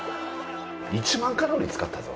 １万カロリー使ったぞ。